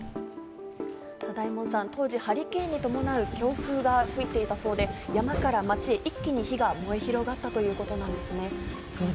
大門さん当時、ハリケーンに伴う強風が吹いていたそうで、山から街に一気に火が燃え広がったということなんですね。